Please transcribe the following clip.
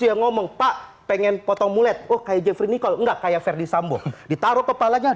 yang ngomong pak pengen potong mulet oh kayak jeffrey nicole enggak kayak verdi sambo ditaruh kepalanya